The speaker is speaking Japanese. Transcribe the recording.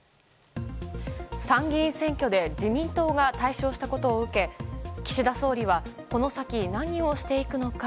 参議院選挙で自民党が大勝したことを受け岸田総理はこの先、何をしていくのか。